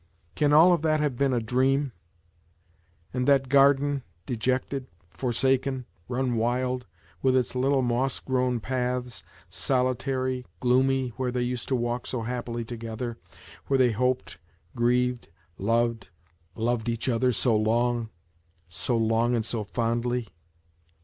Can all of that have been a dream and that garden, dejected, forsaken, run wild, with its little moss grown paths, solitary, gloomy, where they used to walk so happily together, where they hoped, grieved, loved, loved each other so long, " so long and so fondly